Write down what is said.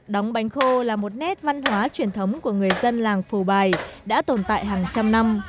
đóng bánh khô là một nét văn hóa truyền thống của người dân làng phù bài đã tồn tại hàng trăm năm